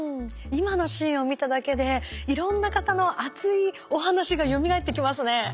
今のシーンを見ただけでいろんな方の熱いお話がよみがえってきますね。